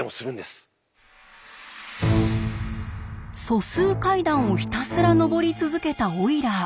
素数階段をひたすら上り続けたオイラー。